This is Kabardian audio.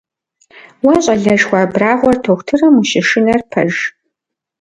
Уэ щӏалэшхуэ абрагъуэр дохутырым ущышынэр пэж?